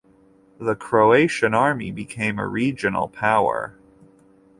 The Croatian Army became a regional power.